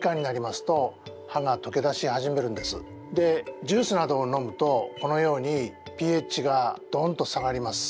でジュースなどを飲むとこのようにｐＨがどんと下がります。